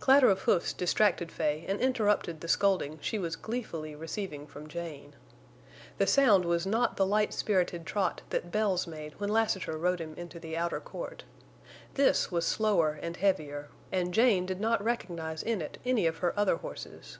Clatter of hoofs distracted Fay and interrupted the scolding she was gleefully receiving from Jane. The sound was not the light spirited trot that Bells made when Lassiter rode him into the outer court. This was slower and heavier, and Jane did not recognize in it any of her other horses.